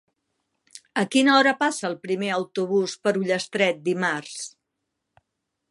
A quina hora passa el primer autobús per Ullastret dimarts?